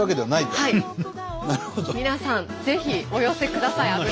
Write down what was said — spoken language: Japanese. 皆さんぜひお寄せください。